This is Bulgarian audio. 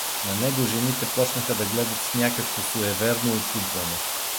На него жените почнаха да гледат с някакво суеверно учудване.